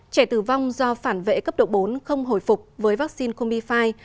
trẻ tử vong do phản vệ cấp độ bốn không hồi phục với vaccine combi năm